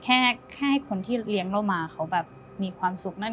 แค่ให้คนที่เลี้ยงเรามาเขามีความสุข